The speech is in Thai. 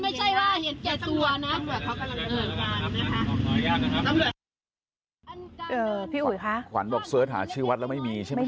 ทำว่าเขากำลังเอ่อเอ่อพี่อุ๋ยคะขวัญบอกเสิร์ชหาชื่อวัดแล้วไม่มีใช่ไหม